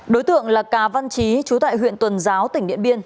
đối tượng là cà văn trí trú tại huyện tuần giáo tỉnh liện biên